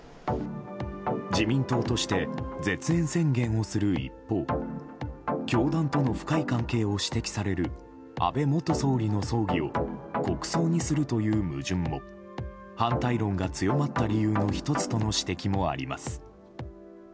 自民党として絶縁宣言をする一方教団との深い関係を指摘される安倍元総理の葬儀を国葬にするという矛盾を反対論が強まった理由の１つとの指摘もあります。